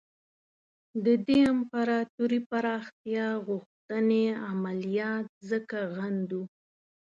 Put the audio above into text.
د دې امپراطوري پراختیا غوښتنې عملیات ځکه غندو.